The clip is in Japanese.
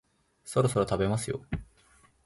そろそろ食べますよ